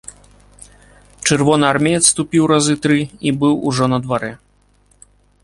Чырвонаармеец ступіў разы тры і быў ужо на дварэ.